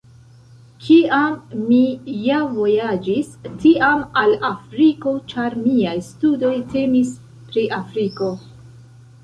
Kiam mi ja vojaĝis, tiam al Afriko, ĉar miaj studoj temis pri Afriko.